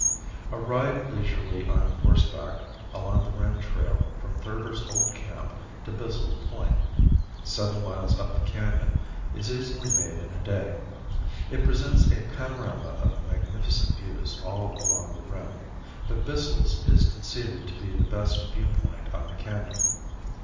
A ride leisurely on horseback along the rim trail from Thurber's old camp to Bissell's Point, seven miles up the canon, and back is easily made in a day. It presents a panorama of magnificent views all along the rim, but Bissell's is conceded to be the best view point on the canon.